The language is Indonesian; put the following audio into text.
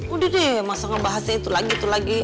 udah deh masa ngebahasnya itu lagi itu lagi